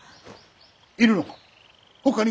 いるのか？